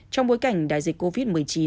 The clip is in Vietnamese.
trong bối cảnh đại dịch covid một mươi chín